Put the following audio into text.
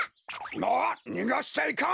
あっにがしちゃいかん！